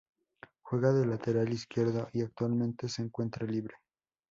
Juega de lateral izquierdo y actualmente se encuentra libre.